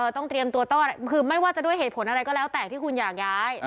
ต้องเตรียมตัวต้อนรับคือไม่ว่าจะด้วยเหตุผลอะไรก็แล้วแต่ที่คุณอยากย้าย